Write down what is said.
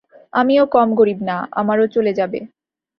আমিও কম গরিব না, আমারও চলে যাবে।